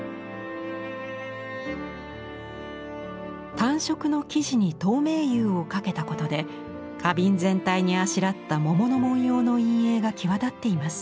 単色の生地に透明釉をかけたことで花瓶全体にあしらった桃の文様の陰影が際立っています。